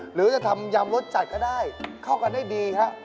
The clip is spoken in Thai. หรือจะทำยำรสจัดก็ได้เข้ากันได้ดีครับ